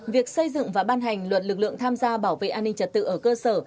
việc xây dựng và ban hành luật lực lượng tham gia bảo vệ an ninh trật tự ở cơ sở